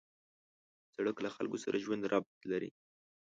سړک له خلکو سره د ژوند ربط لري.